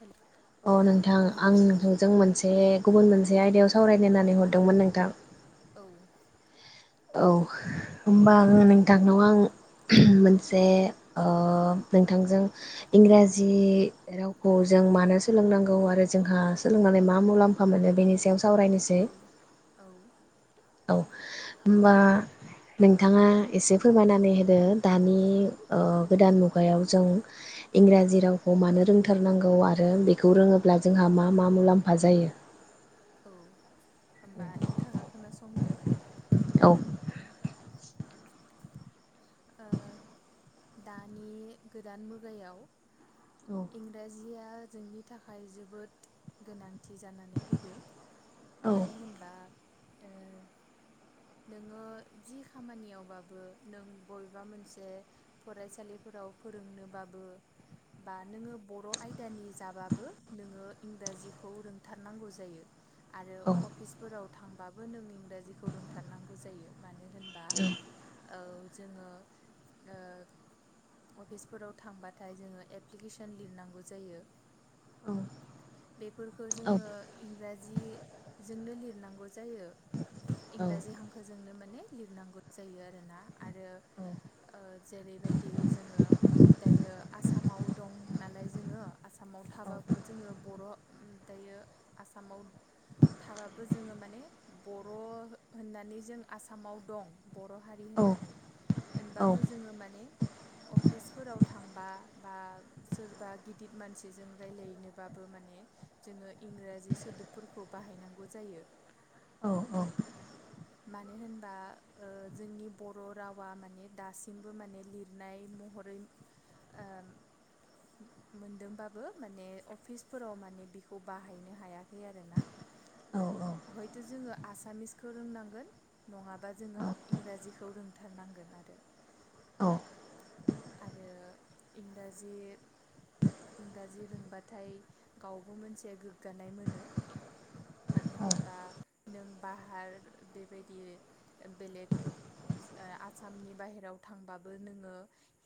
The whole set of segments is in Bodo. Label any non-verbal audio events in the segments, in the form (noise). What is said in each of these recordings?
हेल। औ नोंथां आं नोंथांजों मोनसे गुबुन मोनसे आयदायाव सावरायलायनानै हरदोंमोन नोंथां औ। औ होमबा आं नोंथांनाव आं मोनसे ओ नोंथांजों इंराजि रावखौ जों मानो सोलोंनांगौ आरो जोंहा सोलोंनानै मा मुलाम्फा मोनो बेनि सायाव स। औ औ। औ होमबा नोंथाङा एसे फोरमायनानै होदो दानि ओ गोदान मुगायाव जों इंराजि रावखौ मानो रोंथारनांगौ आरो बेखौ रोङोब्ला जोंहा मा मा मुलाम्फा जायो। होमबा नोंथाङा खोनासंदो। औ। ओ दानि गोदान मुगायाव। औ इंराजि। जिया जोंनि थाखाय जोबोद गोनांथि जानानै फैदों। औ मानो होनबा। ओ नोङो जि खामानियावबाबो नों बबेबा मोनसे। फरायसालिफोराव फोरोंनोबाबो बा नोङो बर आयदानि जाबाबो नोङो इंराजिखौ रोंथारनांगौ जायो। आरो औ अफिसफोराव। थांबाबो नों इंराजिखौ रोंथारनांगौ जायो मानो होनबा औ औ ओ जोङो ओ अफिसफोराव थांबाथाय जोङो एप्लिकेसन लिरनांगौ जायो औ बेफोरखौ जोङो इंराजि जोंनो लिरनांगौ जायो इंराजि हांखोजोंनो मो लिरनांगौ जायो आरोना आरो ओ जेरै बेबायदि जोङो दायो आसामाव दं नालाय जोङो आसामाव थाबाबो जोङो बर' ओम दायो आसामाव थाबाबो जोङो माने बर' होननानै जों आसामाव दं बर' हारि होननानै होनबाबो जोङो माने अफिसफोराव थांबा बा सोरबा गिदद मानसिजों रायलायनोबाबो माने जोङो इंराजि सोदोबफोरखौ बाहायनांगौ जायो। औ औ मानो होनबा ओ जोंनि बर' रावा माने दासिमबो माने लिर लिरनाय महरै ओ मोनदोंबाबो माने अफिसफोराव माने बिखौ बाहायनो हायाखै आरोना हयथ' जोङो आसामिसखौ रोंनांगोन नङाबा जोङो इंराजिखौ रोंथारनांगोन आरो अ आरो इंराजि इंराजि रोंबाथाय गावबो मोनसेया गोग्गानाय मोनो। मानो होनबा नों बाहार बेबायदि बेलेग ओ आसामनि बाहेरायाव थांबाबो बो नोङो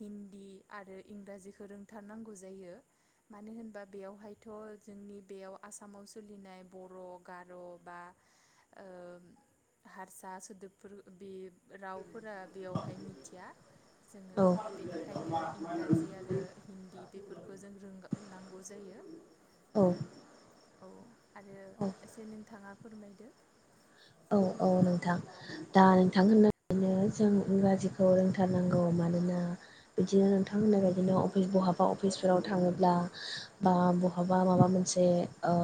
हिन्दी आरो इंराजिखौ रोंथारनांगौ जायो मानो होनबा बेयावहायथ' जोंनि बेयाव आसामाव सोलिनाय बर' गार' बा ओ हारसा सोदोबफोर बे रावफोरा बेयावहाय मिथिया जोङो बेनिखायनो इंराजि आरो हिन्दी बेफोरखौ जों रों नांगौ जायो औ औ आरो औ एसे नोंथाङा फोरमायदो औ औ नोंथां दा नोंथां होननायनो जों इंराजिखौ रोंथारनांगौ मानोना बिदिनो नोंथां होननाय बायदिनो अफिस बहाबा अफिसफोराव थाङोब्ला बा बहाबा माबा मोनसे ओ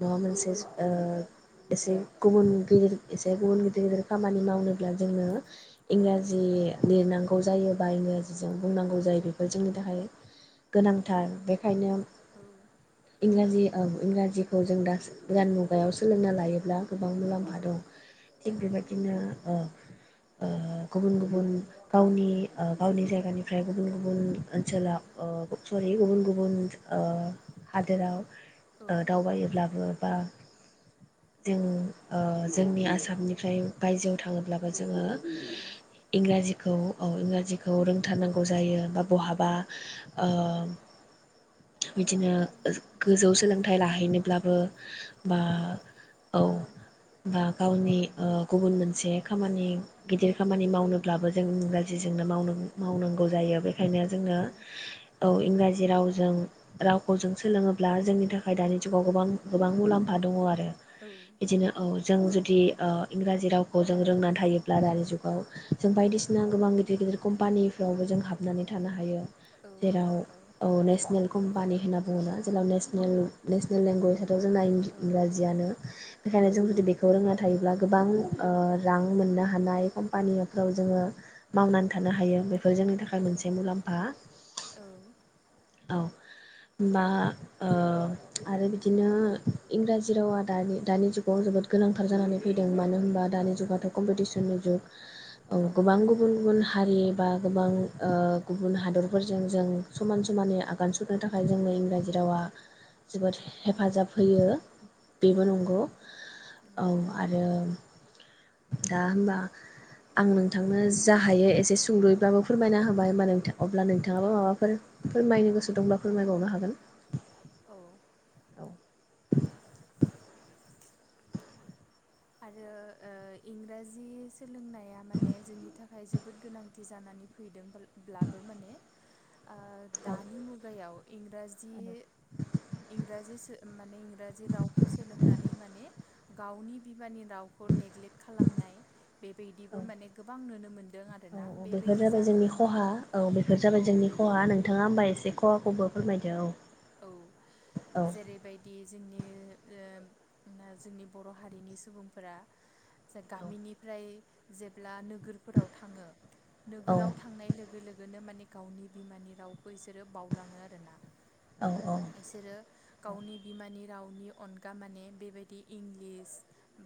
माबा मोनसे ओ एसे गुबुन गिदिर एसे गुबुन गिदिर गिदिर खामानि मावनोब्ला जोंङो इंराजि लिरनांगौ जायो बा इंराजिजों बुंनांगौ जायो बेफोर जोंनि थाखाय गोनांथार बेखायनो औ इंराजि औ इंराजिखौ जों दा गोदान मुगायाव सोलोंना लायोब्ला गोबां मुला औ दं थिग औ बेबायदिनो ओ ओ गुबुन गुबुन गावनि ओ गावनि जायगानिफ्राय गुबुन गुबुन औ ओनसोलाव ओ (unintelligible) गुबुन गुबुन ओ हादोराव औ ओ दावबायोब्लाबो बा जों ओ जोंनि आसामनिफ्राय बायजोआव थाङोब्लाबो जोङो औ इंराजि खौ औ इंराजिखौ रोंथारनांगौ जायो बा बहाबा ओ बिदिनो गोजौ सोलोंथाइ लाहैनोब्लाबो बा औ औ बा गावनि ओ गुबुन मोनसे खामानि गिदिर खामानि मावनोब्लाबो जों इंराजिजोंनोमावनाो मावनांगौ जायो बे ओंखायनो जोंनो औ औ इंराजि जेराव जों रावखौ जों सोलोङोब्ला जोंनि थाखाय दानि जुगाव गोबां गोबां मुलाम्फा दङ' आरो बिदिनो औ जों जुदि ओ इंराजि रावखौ जों रोंनानै थायोब्ला दानि जुगाव जों बायदिसिना गोबां गिदिर गिदिर कम्पानिफ्रावबो जों हाबनानै थानो हायो जेराव औ नेसनेल कम्पानि होनना बुङोना जेब्ला नेसनेल नेसनेल लेंगुवेज जोंना इज इंराजियनो बेनिखायनो जों जुदि बे थायोब्ला गोबां ओ रां मोननो हानाय कम्पानिफ्राव जोङो मावनानै थानो हायो बे बेफोर जोंनि थाखाय मोनसे मुलाम्फा औ बा ओ आरो बिदिनो इंराजि रावा दानि-दानि जुगाव जोबोद गोनांथार जानानै फैदों मानो होनबा दानि जुगाथ' कम्पिटिसननि जुग गोबां गुबुन गुबुन हारि बा गोबां ओ गुबुन हादरफोरजों जों समान समानै आगान सुरनो थाखाय जोंनो इंराजि रावा जोबोद हेफाजाब होयो। बेबो नंगौ आरो दा होम्बा आं नोंथांनो जा हायो एसे सुुंदब्लाबो फोरमायना होबाय होनबा नोंथां। अब्ला नोंथाङाबो माबाफोर फोरमायनो गोसो दंब्ला फोरमायबावनो हागोन। औ (inaudible) आरो ओ इंराजि सोलोंनाया माने जोंनि नि थाखाय जोबोद गोनांथि जानानै फैदोंब्लाबो माने ओ दानि मुगायाव इंराजि औ इंराजि सो माने इंराजि रावखौ सोलोंनानै माने गावनि बिमानि रावखौ नेग्लेक्ट खालामनाय बेबायदिबो औ माने गोबां नुनो मोनो। औ औ बेफोर जाबाय जोंनि खहा औ बेफोर औ जाबाय जोंनि बे खहा नोंथाङा होम्बा एसे खहाखौबो फोरमायदो औ औ औ जेरैबायदि जोंनि ओम जोंनि बर' हारिनि सुबुंफोरा जा गामिनिफ्राय जेब्ला नो नोगोरफोराव थाङो औ नोगोराव थांनाय लोगो लोगोनो माने गावनि बिमानि रावखौ इसोरो बावलाङो आरोना। औ इसोरो गावनि बिमानि रावनि अनगा माने बेबायदि इंलिस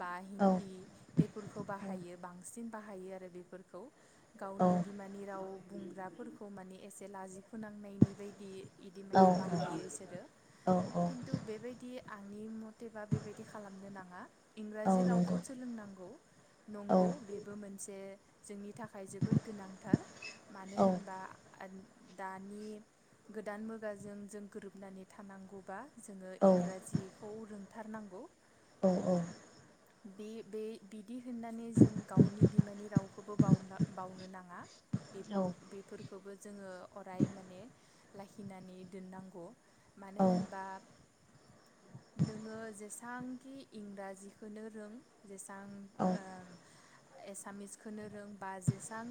बा औ हिन्न्दी बेफोरखौ बाहायो बांसिन सिन बाहायो आरो बेफोरखौ औ गावनि बिमानि राव बुंग्राफोरखौ माने एसे लाजिफोनांनायनि बायदियै बिदि माने बाहायो इसोरो औ खिन्थु बेबायदि आंनि मथेबा बेबायदि खालामनो नाङा औ इंराजि रावखौ नंगौ सोलोंनांगौ औ नंगौ बेबो मोनसे जोंनि थाखाय जोबोद गोनांथार मानो औ होनबा दानि गोदान मुगाजों जों गोरोबनानै थानांगौबा जोङो औ इंराजिखौ रों थारनांगौ औ औ बे बे बि दि होननानै जों गावनि बिमानि रावखौबो बावनो नाङा औ बेफोरखौबो जोङो अराय माने लाखिनानै दोननांगौ औ मानो होनबा नोङो जेसां खि इंराजि खोनो रों जेसां औ एसामिसखोनो रों बा जेसां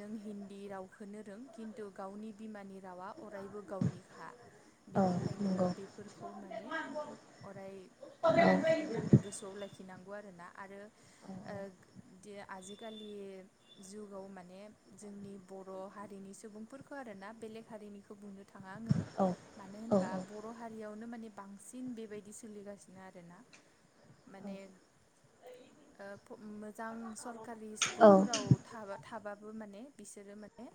नों हिन्दी रावखोनो रों खिन्थु गावनि बिमानि रावा अरायबो गावनि खा औ बेनिखायनो नंगौ बेफोरखौ माने अराय औ लाखि माने (unintelligible) खिनांगौ आरोना आरो औ (unintelligible) आजिखालि जुगाव माने जोंनि बर' हारिनि सुबुंफोरखौ आरोना बेलेग हारिनिखौ बुंनो थाङा आङो मानो होनबा औ औ बर' हारियाव नो माने बांसिन बेबायदि सोलिगासिनो आरोना माने ओ फु जां सरकारि औ औ स्कुलफोराव थाबा माने बिसोरो माने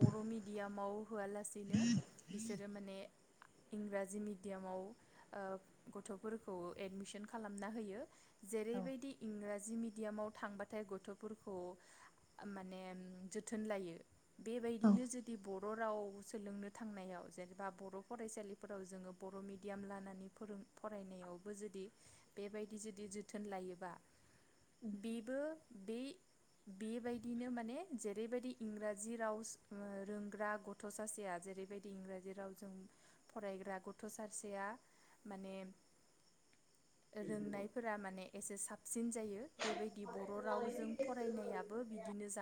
बर' मिडियामाव होआलासेनो बिसोरो माने इंराजि मिडियामाव गथ'फोरखौ एडमिसन खालामना होयो। जेरैबायदि इंराज जि मिडियामाव थांबाथाय गथ'फोरखौ माने जोथोन लायो। औ बेबायदिनो जुदि ब' बर' राव सोलोंनो थांनायाव जेनेबा बर' फरायसालिफोराव जोङो बर' मिडियाम लानानै फोरों फरायनायावबो जुदि बेबायदि जुदि जोथोन लायोबा बेबो बे बेबायदिनो माने जेरैबायदि इंराजि राव रोंग्रा गथ' सासेया जेरैबायदि इंराजि रावजों फरायग्रा गथ' सासेया माने रोंनायफोरा माने एसे साबसिन जायो बेबायदि बर' रावजों फरायनायाबो बिदिनो जा